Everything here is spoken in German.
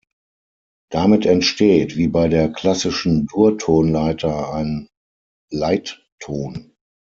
Damit entsteht wie bei der klassischen Dur-Tonleiter ein Leitton.